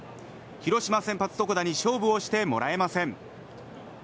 広島、先発、床田に勝負をしてもらえません。